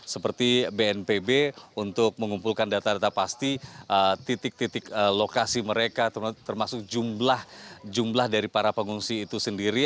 seperti bnpb untuk mengumpulkan data data pasti titik titik lokasi mereka termasuk jumlah jumlah dari para pengungsi itu sendiri